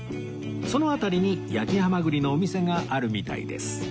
その辺りに焼きハマグリのお店があるみたいです